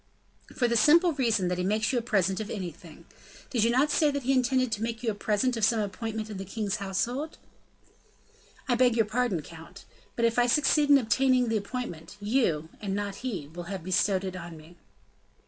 "For the simple reason that he makes you a present of anything. Did you not say that he intended to make you a present of some appointment in the king's household?" "I beg your pardon, count; but, if I succeed in obtaining the appointment, you, and not he, will have bestowed it on me."